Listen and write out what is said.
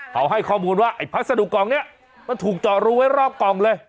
เขาให้ข้อมูลว่าไอ้พัสดุกล่องนี้มันถูกเจาะรูไว้รอบกล่องเลย